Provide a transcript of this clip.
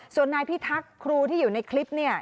ส่วนนายพี่ทักครูที่อยู่ในคลิปนี้